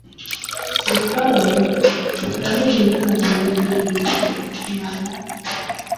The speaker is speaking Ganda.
Kyokka abawala! Kati abo bonna abalenzi b’olina tebakumala?